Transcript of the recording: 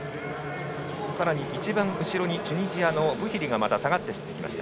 さらに一番後ろ、チュニジアのブヒリがまた下がりました。